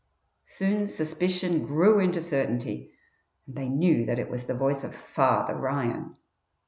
Soon suspicion grew into certainty, and they knew that it was the voice of "Father" Ryan.